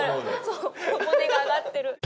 そう頬骨が上がってる。